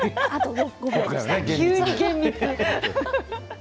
急に厳密。